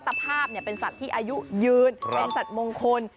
ตภาพเป็นสัตว์ที่อายุยืนเป็นสัตว์มงคล